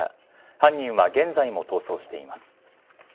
犯人は現在も逃走しています。